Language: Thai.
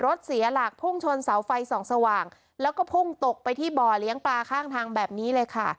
เสียหลักพุ่งชนเสาไฟส่องสว่างแล้วก็พุ่งตกไปที่บ่อเลี้ยงปลาข้างทางแบบนี้เลยค่ะ